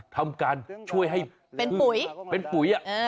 ทำการช่วยให้มันเป็นปุ๋ย